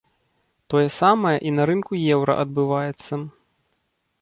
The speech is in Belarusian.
Тое самае і на рынку еўра адбываецца.